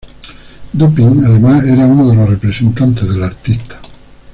Dupin, además, era una de los representantes del artista.